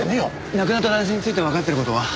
亡くなった男性についてわかってる事は？